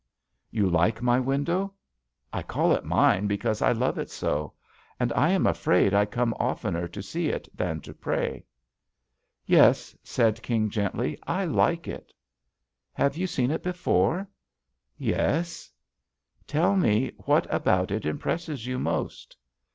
"You like my window? I call it mine be cause I love it so. And I am afraid I come oftener to see it than to pray." "Yes," said King, gently, "I like it." "Have you seen it before?" "Yes I" "Tell me what about it impresses you most."